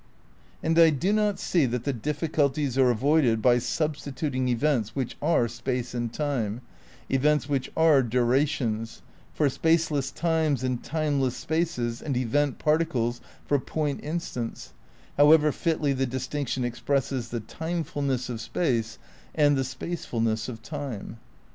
And I do not see that the difficulties are avoided by substituting events which are space and time, events which are durations, for spaceless times and timeless spaces, and event particles for point instants, however fitly the distinction expresses the timefulness of space and the spacefulness of time.